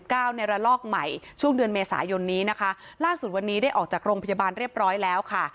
ในระลอกใหม่ช่วงเดือนเมษายนนี้นะคะล่าสุดวันนี้ได้ออกจากโรงพยาบาลเรียบร้อยแล้วค่ะ